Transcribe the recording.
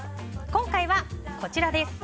今回はこちらです。